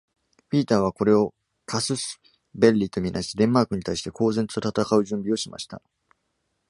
ピーターはこれを「casus belli」と見なし、デンマークに対して公然と戦う準備をしました。